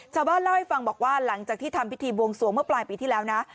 ชาวบ้านเล่าให้ฟังบอกว่าหลังจากที่ทำพิธีบวงสวงเมื่อปลายปีที่แล้วนะ